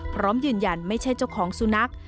พร้อมยืนยันไม่ใช่เจ้าของสุนัข